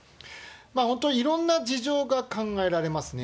本当、いろんな事情が考えられますね。